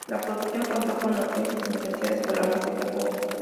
La producción contó con orquestas influenciadas por la música pop.